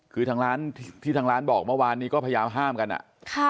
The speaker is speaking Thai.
คือทางร้านที่ทางร้านบอกเมื่อวานนี้ก็พยายามห้ามกันอ่ะค่ะ